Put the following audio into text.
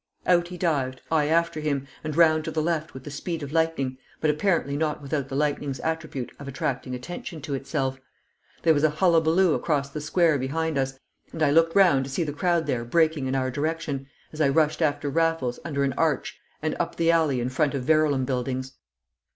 Out he dived, I after him, and round to the left with the speed of lightning, but apparently not without the lightning's attribute of attracting attention to itself. There was a hullabaloo across the square behind us, and I looked round to see the crowd there breaking in our direction, as I rushed after Raffles under an arch and up the alley in front of Verulam Buildings.